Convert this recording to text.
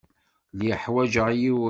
Lliɣ ḥwajeɣ yiwen.